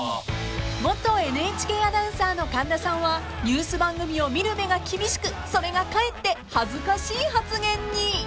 ［元ＮＨＫアナウンサーの神田さんはニュース番組を見る目が厳しくそれがかえって恥ずかしい発言に］